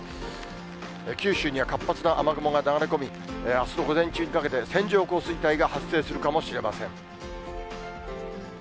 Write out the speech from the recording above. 九州には活発な雨雲が流れ込み、あすの午前中にかけて、線状降水帯が発生するかもしれません。